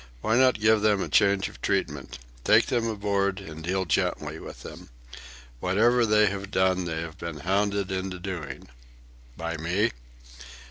"Why not give them a change of treatment? Take them aboard, and deal gently with them. Whatever they have done they have been hounded into doing." "By me?"